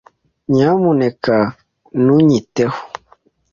Nyamuneka ntunyiteho.